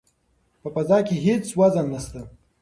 په فضا کې هیڅ وزن نشته.